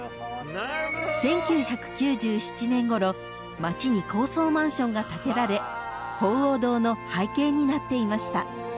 ［町に高層マンションが建てられ鳳凰堂の背景になっていました］